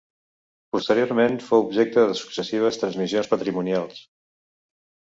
Posteriorment fou objecte de successives transmissions patrimonials.